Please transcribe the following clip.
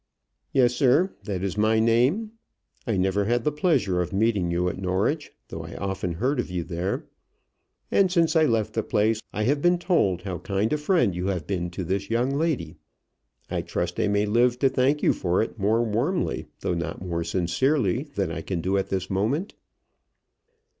"Yes, sir; that is my name. I never had the pleasure of meeting you at Norwich, though I often heard of you there. And since I left the place I have been told how kind a friend you have been to this young lady. I trust I may live to thank you for it more warmly though not more sincerely than I can do at this moment."